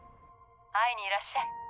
会いにいらっしゃい。